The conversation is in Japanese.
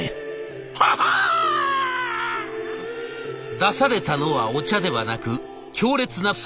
出されたのはお茶ではなく強烈な最後通ちょう。